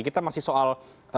kita masih soal